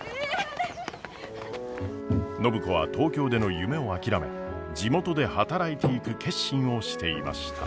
暢子は東京での夢を諦め地元で働いていく決心をしていました。